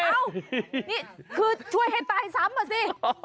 นี่คือช่วยให้ตายซ้ำอ่ะสิ